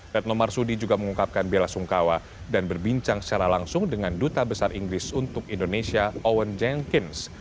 retno marsudi juga mengungkapkan bela sungkawa dan berbincang secara langsung dengan duta besar inggris untuk indonesia owen jengkins